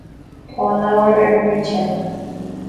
Tá an leabhar ar an mbinse